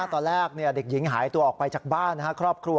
ตอนแรกเด็กหญิงหายตัวออกไปจากบ้านครอบครัว